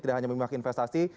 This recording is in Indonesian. tidak hanya memiliki investasi